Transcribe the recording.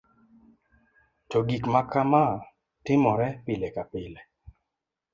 to gik makama timore pile ka pile